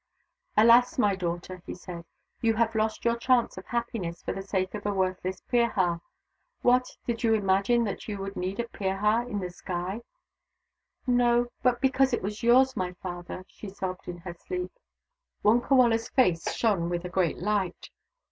"Alas, my daughter!" he said. "You have lost your chance of happiness for the sake of a worthless Pirha. What ! did you imagine that you would need a Pirha in the sky ?"" No— but because it was yours, my father," she sobbed in her sleep. Wonkawala's face shone with a great light.